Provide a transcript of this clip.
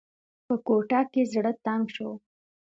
په کوټه کې زړه تنګ شو.